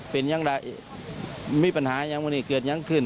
เป็นยังไงมีปัญหายังไงเกิดยังขึ้น